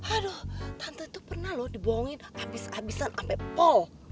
aduh tante tuh pernah lho dibohongin abis abisan sampe pol